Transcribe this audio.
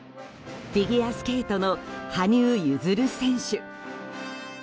フィギュアスケートの羽生結弦選手。